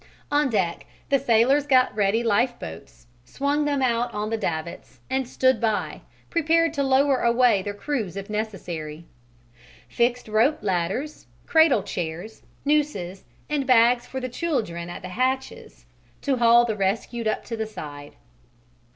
On deck the sailors got ready lifeboats, swung them out on the davits, and stood by, prepared to lower away their crews if necessary; fixed rope ladders, cradle chairs, nooses, and bags for the children at the hatches, to haul the rescued up the side.